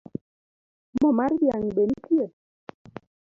Mo mar dhiang’ be nitie?